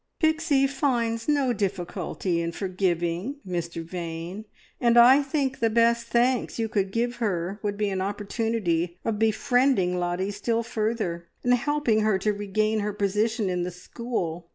"Pixie finds no difficulty in forgiving, Mr Vane, and I think the best thanks you could give her would be an opportunity of befriending Lottie still further, and helping her to regain her position in the school.